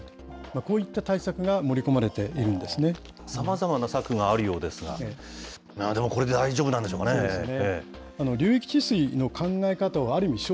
こういった対策が盛り込まれていさまざまな策があるようですが、でもこれで大丈夫なんでしょうかね。